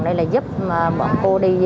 đây là giúp bọn cô đi